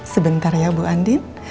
sebentar ya ibu andin